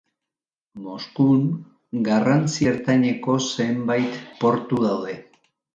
Moskun, garrantzi ertaineko zenbait portu daude.